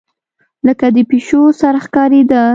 لکه د پيشو سر ښکارېدۀ